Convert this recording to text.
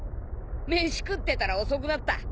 飯食ってたら遅くなった。